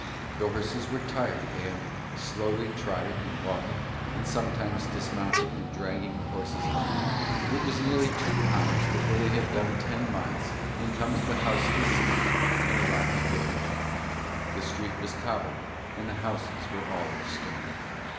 The horses were tired and, slowly trotting and walking, and sometimes dismounting and dragging the horses on, it was nearly two hours before they had done ten miles and come to the house of the smith in a rocky village: the street was cobbled and the houses were all of stone.